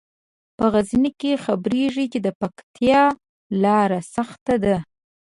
په غزني کې خبریږي چې د پکتیا لیاره سخته ده.